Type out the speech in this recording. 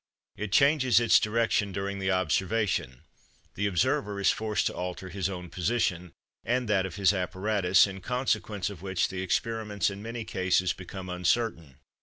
It changes its direction during the observation, the observer is forced to alter his own position and that of his apparatus, in consequence of which the experiments in many cases become uncertain.